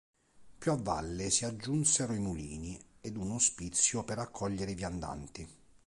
Più a valle si aggiunsero i mulini ed un ospizio per accogliere i viandanti.